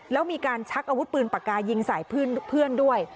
แล้วมีการชักอาวุธปืนปากกายิงใส่เพื่อนด้วย